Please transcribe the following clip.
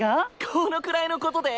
このくらいのことで？